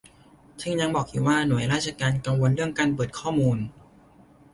เท้งยังบอกอีกว่าหน่วยราชการกังวลเรื่องการเปิดข้อมูล